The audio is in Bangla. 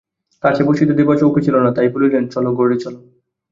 কাছে বসিতে দিবার চৌকি ছিল না, তাই বলিলেন, চলো, ঘরে চলো।